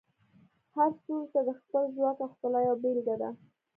هر ستوری د خپل ځواک او ښکلا یوه بیلګه ده.